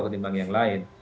ketimbang yang lain